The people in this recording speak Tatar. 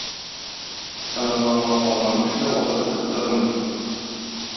Соңыннанга калган эшне вакыт көтеп тормый.